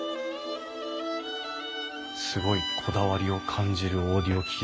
すごいこだわりを感じるオーディオ機器ですね。